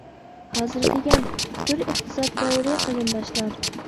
ھازىر دېگەن ئۇچۇر ئىقتىساد دەۋرى قېرىنداشلار!